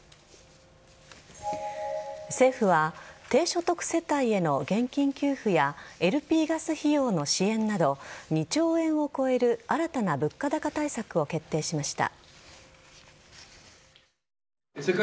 政府は低所得世帯への現金給付やＬＰガス費用の支援など２兆円を超える新たな物価高対策を決定しました。